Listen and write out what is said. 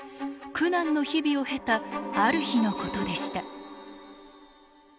苦難の日々を経たある日のことでした。